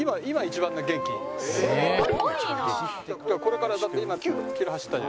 これからだって今９キロ走ったじゃない。